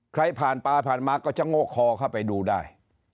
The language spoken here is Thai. ใครผ่านไปผ่านมาก็ชะโงกคอเข้าไปดูได้